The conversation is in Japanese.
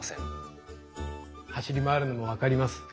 走り回るのも分かります。